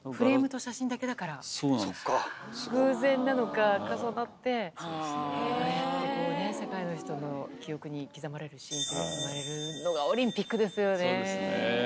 偶然なのか重なってああやって世界の人の記憶に刻まれるシーンが生まれるのがオリンピックですよね！